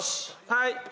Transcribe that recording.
はい！